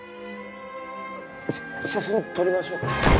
写真撮りましょうか？